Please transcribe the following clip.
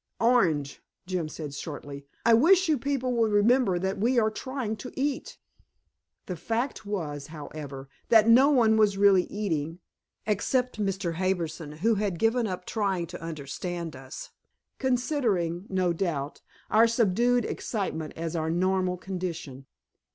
"Orange," Jim said shortly. "I wish you people would remember that we are trying to eat." The fact was, however, that no one was really eating, except Mr. Harbison who had given up trying to understand us, considering, no doubt, our subdued excitement as our normal condition.